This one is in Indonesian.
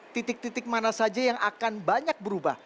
titik titik mana saja yang akan banyak berubah